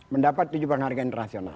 mendapat tujuh penghargaan internasional